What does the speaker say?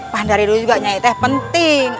pandari dulu juga nyai teh penting